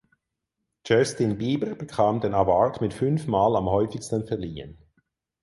Justin Bieber bekam den Award mit fünf Mal am häufigsten verliehen.